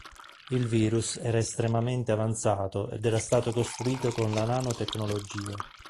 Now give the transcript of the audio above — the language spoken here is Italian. Il virus era estremamente avanzato ed era stato costruito con la nanotecnologia.